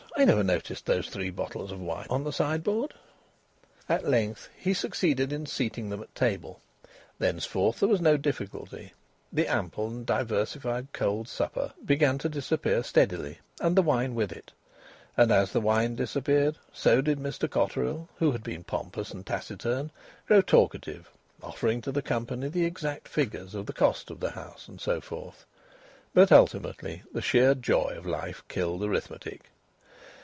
I never noticed those three bottles of wine on the sideboard." At length he succeeded in seating them at the table. Thenceforward there was no difficulty. The ample and diversified cold supper began to disappear steadily, and the wine with it. And as the wine disappeared so did Mr Cotterill (who had been pompous and taciturn) grow talkative, offering to the company the exact figures of the cost of the house, and so forth. But ultimately the sheer joy of life killed arithmetic.